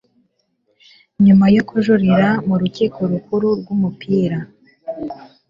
nyuma yo kujurira murukiko rukuru rw'umupira